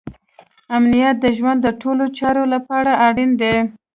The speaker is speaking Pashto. امنیت د ژوند د ټولو چارو لپاره اړین دی.